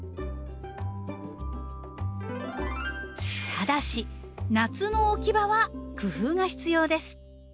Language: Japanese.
ただし夏の置き場は工夫が必要です。